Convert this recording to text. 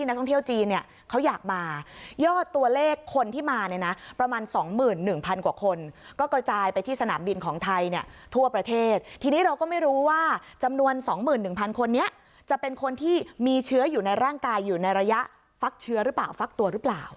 ก็กระจายไปที่สนามบินของไทยเนี่ยทั่วประเทศทีนี้เราก็ไม่รู้ว่าจำนวน๒๑๐๐๐คนเนี่ยจะเป็นคนที่มีเชื้ออยู่ในร่างกายอยู่ในระยะฟักเชื้อหรือเปล่าฟักตัวหรือเปล่า